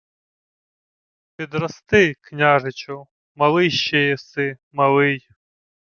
— Підрости, княжичу, малий ще єси, малий...